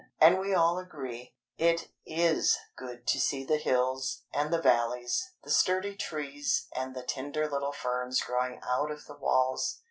And we all agree. It is good to see the hills, and the valleys, the sturdy trees, and the tender little ferns growing out of the walls.